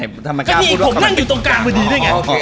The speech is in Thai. ก็ดีผมนั่งอยู่ตรงกลางพอดีด้วยไง